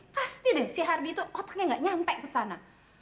pasti deh si hardy itu otaknya gak nyampe kesana